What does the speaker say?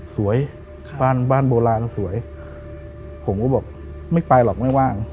บ้านบ้านโบราณสวยผมก็บอกไม่ไปหรอกไม่ว่าง